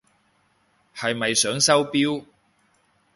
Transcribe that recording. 係咪想收錶？